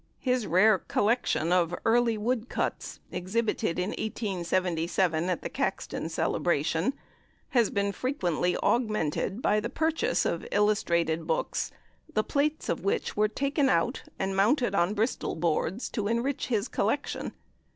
His rare collection of early woodcuts, exhibited in 1877 at the Caxton Celebration, had been frequently augmented by the purchase of illustrated books, the plates of which were taken out, and mounted on Bristol boards, to enrich his collection.